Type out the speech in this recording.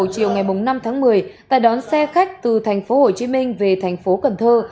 hướng từ thành phố hồ chí minh về thành phố cần thơ